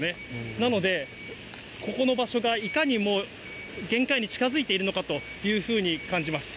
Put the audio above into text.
なので、ここの場所がいかにもう限界に近づいているのかというふうに感じます。